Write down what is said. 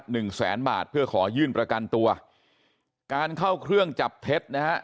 หนึ่งแสนบาทเพื่อขอยื่นประกันตัวการเข้าเครื่องจับเท็จนะฮะ